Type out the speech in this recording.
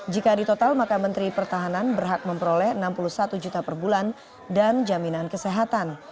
jika ditotal maka menteri pertahanan berhak memperoleh enam puluh satu juta per bulan dan jaminan kesehatan